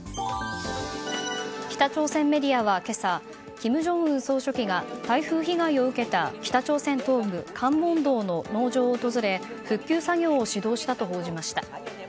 北朝鮮メディアは今朝金正恩総書記が台風被害を受けた北朝鮮東部カンウォン道の農場を訪れ復旧作業を指導したと報じました。